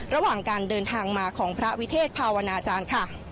ระหว่างการเดินทางมาของพระวิเทศภาวนาจารย์ค่ะ